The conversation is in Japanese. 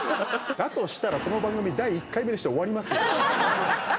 だとしたら、この番組第１回目にして終わります。